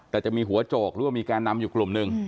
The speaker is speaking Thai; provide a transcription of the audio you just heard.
แต่จะมีหัวโจกหรือว่ามีแกนนำอยู่กลุ่มหนึ่ง